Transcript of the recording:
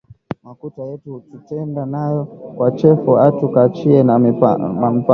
Makuta yetu tutenda nayo kwa chefu atu kachiye ma mpango